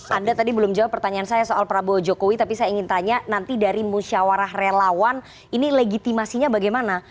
anda tadi belum jawab pertanyaan saya soal prabowo jokowi tapi saya ingin tanya nanti dari musyawarah relawan ini legitimasinya bagaimana